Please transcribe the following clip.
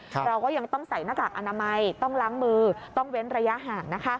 เราก็ยังต้องใส่หน้ากากอนามัยต้องล้างมือต้องเว้นระยะห่าง